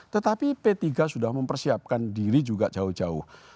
tetapi p tiga sudah mempersiapkan diri juga jauh jauh